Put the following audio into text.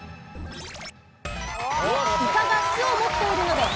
イカが酢を持っているのでスイカ。